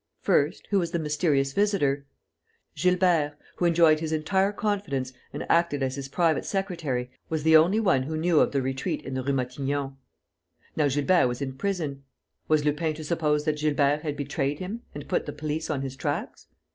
First, who was the mysterious visitor? Gilbert, who enjoyed his entire confidence and acted as his private secretary, was the only one who knew of the retreat in the Rue Matignon. Now Gilbert was in prison. Was Lupin to suppose that Gilbert had betrayed him and put the police on his tracks?